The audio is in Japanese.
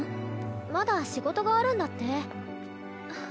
まだ仕事があるんだって。